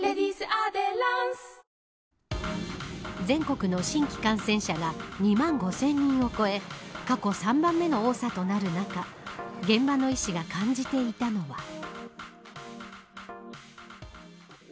全国の新規感染者が２万５０００人を超え過去３番目の多さとなる中現場の医師が感じていたのは。